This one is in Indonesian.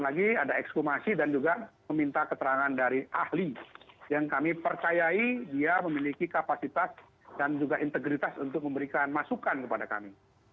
lagi ada ekskumasi dan juga meminta keterangan dari ahli yang kami percayai dia memiliki kapasitas dan juga integritas untuk memberikan masukan kepada kami